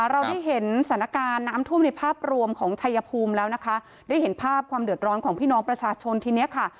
เราได้เห็นสถานการณ์น้ำท่วมในภาพรวมของชัยภูมิแล้วนะคะได้เห็นภาพความเดือดร้อนของพี่น้องประชาชนทีเนี้ยค่ะ